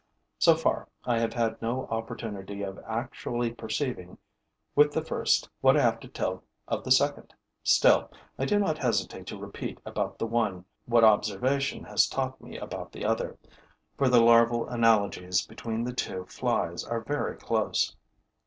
So far, I have had no opportunity of actually perceiving with the first what I have to tell of the second; still, I do not hesitate to repeat about the one what observation has taught me about the other, for the larval analogies between the two flies are very close.